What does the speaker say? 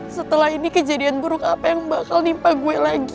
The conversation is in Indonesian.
setelah ini kejadian buruk apa yang bakal nimpa gue lagi